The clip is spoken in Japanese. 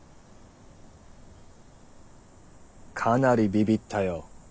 かなりビビったよ。